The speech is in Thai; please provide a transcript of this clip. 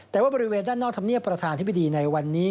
แต่ว่าบริเวณด้านนอกธรรมเนียบประธานธิบดีในวันนี้